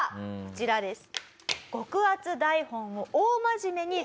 こちらです。